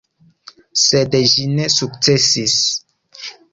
Sed ĝi ne sukcesis.